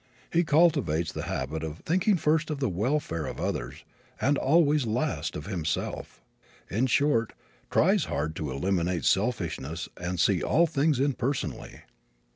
He cultivates the habit of thinking first of the welfare of others and always last of himself in short, tries hard to eliminate selfishness and see all things impersonally.